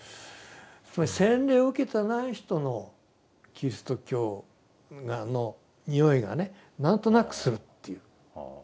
つまり洗礼を受けてない人のキリスト教のにおいがね何となくするって言う。